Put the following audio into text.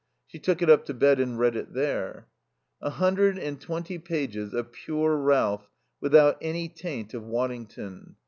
She took it up to bed and read it there. A hundred and twenty pages of pure Ralph without any taint of Waddington.